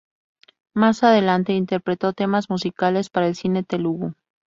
Más adelante interpretó temas musicales para el cine Telugu.